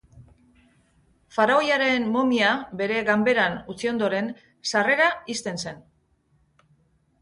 Faraoiaren momia bere ganberan utzi ondoren sarrera ixten zen.